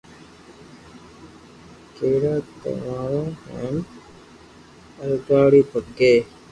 ڪپڙا پھاٽوڙا ھين اوگاڙي پگي